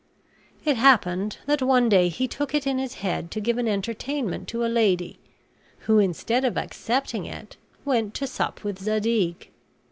It happened that one day he took it in his head to give an entertainment to a lady, who, instead of accepting it, went to sup with Zadig.